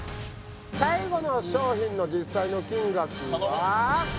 最後の商品の実際の金額は頼む